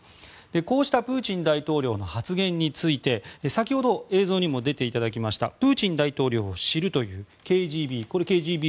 こうしたプーチン大統領の発言について先ほど映像にも出ていただきましたプーチン大統領を知るというＫＧＢ。